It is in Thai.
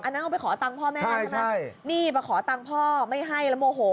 นั้นเอาไปขอตังค์พ่อแม่ใช่ไหมใช่นี่มาขอตังค์พ่อไม่ให้แล้วโมโห